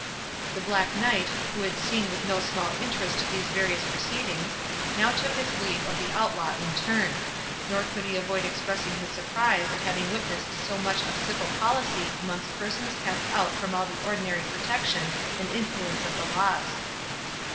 The Black Knight, who had seen with no small interest these various proceedings, now took his leave of the Outlaw in turn; nor could he avoid expressing his surprise at having witnessed so much of civil policy amongst persons cast out from all the ordinary protection and influence of the laws.